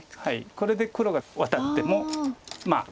これで黒がワタっても。